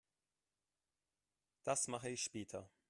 Das mache ich später.